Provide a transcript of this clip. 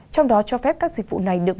trong đó cho phép các dịch vụ này được